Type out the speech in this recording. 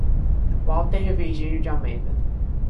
Walter Virginio de Almeida